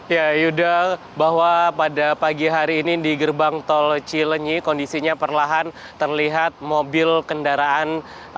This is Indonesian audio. ya yuda bahwa pada pagi hari ini di gerbang tol cilenyi kondisinya perlahan terlihat mobil kendaraan